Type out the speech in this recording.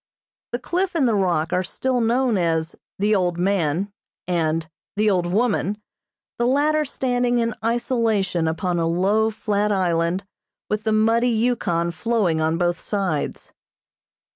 The cliff and the rock are still known as "the old man" and "the old woman," the latter standing in isolation upon a low, flat island with the muddy Yukon flowing on both sides.